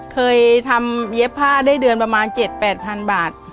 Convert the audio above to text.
เคยทำเย็บผ้าได้เดือนประมาณ๗๘๐๐๐บาท